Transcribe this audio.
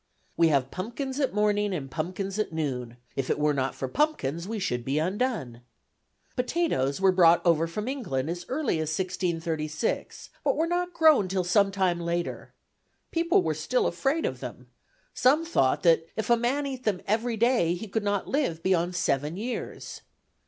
We have pumpkins at morning and pumpkins at noon, If it were not for pumpkins we should be undone. Potatoes were brought over from England as early as 1636, but were not grown till some time later. People were still afraid of them: some thought that "if a man eat them every day he could not live beyond seven years."